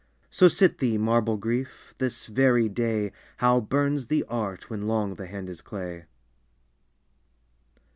So sit thee, marble Grief ! this very day How burns the art when long the hand is clay